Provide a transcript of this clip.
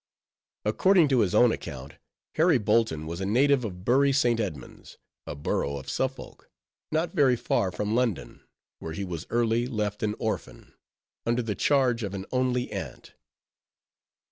According to his own account, Harry Bolton was a native of Bury St. Edmunds, a borough of Suffolk, not very far from London, where he was early left an orphan, under the charge of an only aunt.